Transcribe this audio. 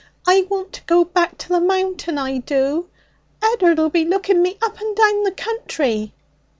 I want to go back to the Mountain, I do! Ed'ard'll be looking me up and down the country.'